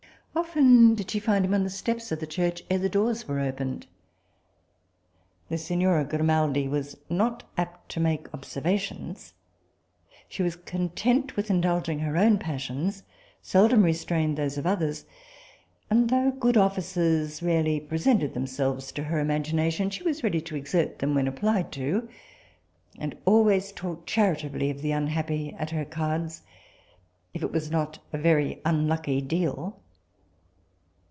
Often did she find him on the steps of the church ere the doors were opened. The signora Grimaldi was not apt to make observations. She was content with indulging her own passions, seldom restrained those of others; and though good offices rarely presented themselves to her imagination, she was ready to exert them when applied to, and always talked charitably of the unhappy at her cards, if it was not a very unlucky deal.